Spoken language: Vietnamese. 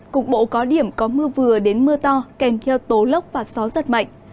cục bộ có điểm có mưa vừa đến mưa to kèm theo tố lốc và gió giật mạnh